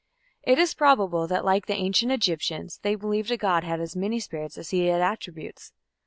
It is probable that like the Ancient Egyptians they believed a god had as many spirits as he had attributes.